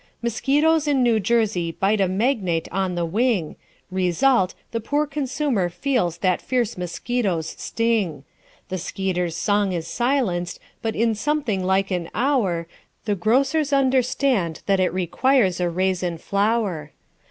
Mosquitoes in New Jersey bite a magnate on the wing Result: the poor consumer feels that fierce mosquito's sting: The skeeter's song is silenced, but in something like an hour The grocers understand that it requires a raise in flour.